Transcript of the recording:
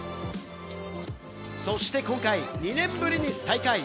そして今回、２年ぶりに再会。